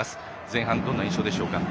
前半、どんな印象でしょうか。